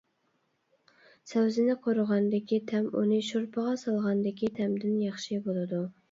سەۋزىنى قورۇغاندىكى تەم ئۇنى شورپىغا سالغاندىكى تەمدىن ياخشى بولىدۇ.